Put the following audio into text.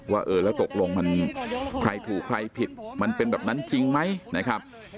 ว่าเออแล้วตกลงมันใครถูกใครผิดมันเป็นแบบนั้นจริงไหมนะครับ